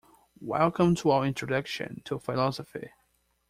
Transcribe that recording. Welcome to our introduction to philosophy.